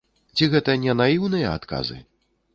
Ці гэта не наіўныя адказы?